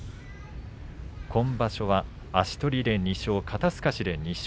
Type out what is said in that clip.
今場所は足取りで２勝肩すかしで２勝。